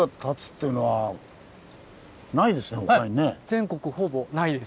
全国ほぼないです。